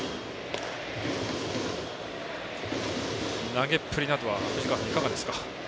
投げっぷりなどは藤川さん、いかがですか。